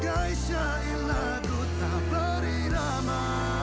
bagai syailah ku tak berirama